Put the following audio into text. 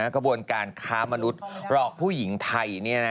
กระบวนการค้ามนุษย์หลอกผู้หญิงไทย